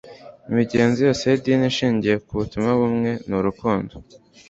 imigenzo yose y'idini ishingiye ku butumwa bumwe, ni urukundo